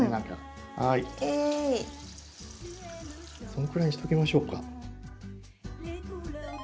そのくらいにしておきましょうか。